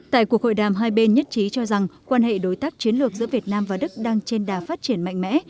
tại cuộc hội đàm hai bên nhất trí cho rằng quan hệ đối tác chiến lược giữa việt nam và đức đang trên đà phát triển mạnh mẽ